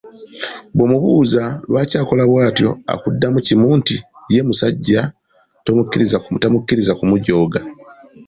Bw'omubuuza lwaki akola bw’atyo akuddamu kimu nti ye omusajja tamukkiriza kumujooga.